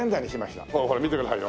ほらほら見てくださいよ。